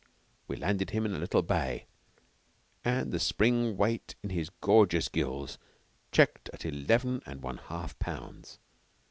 We landed him in a little bay, and the spring weight in his gorgeous gills checked at eleven and one half pounds.